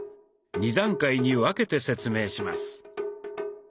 ２段階に分けて説明します。